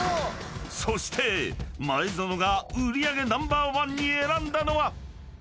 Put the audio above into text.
［そして前園が売り上げナンバーワンに選んだのは］